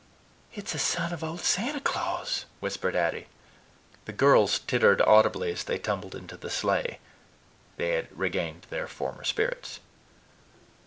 "It's a son of old Santa Claus!" whispered Addy. The girls tittered audibly as they tumbled into the sleigh; they had regained their former spirits.